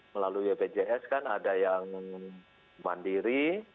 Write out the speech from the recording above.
melalui bpjs kan ada yang mandiri